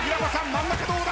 真ん中どうだ！？